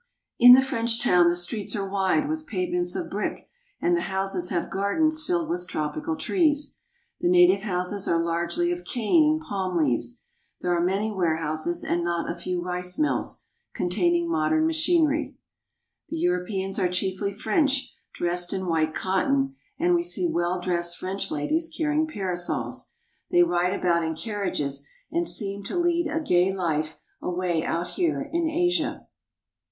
In the French town the streets are wide, with pavements of brick, and the houses have gardens filled with tropical trees. The native houses are largely of cane and palm leaves. There are many warehouses and not a few rice mills containing modern machinery. The Europeans are chiefly French, dressed in white cotton, and we see well dressed French ladies carrying parasols. They ride about in carriages and seem to lead a gay life away out here in Asia.